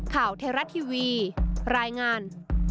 ข่าวเทราะท์ทีวีรายงาน